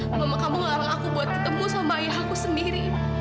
mama kamu ngelarang aku buat ketemu sama ayah aku sendiri